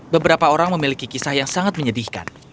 beberapa orang memiliki kisah yang sangat menyedihkan